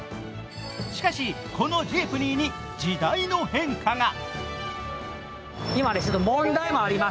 しかし、このジープニーに時代の変化が。